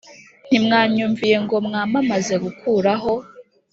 Ntimwanyumviye ngo mwamamaze gukuraho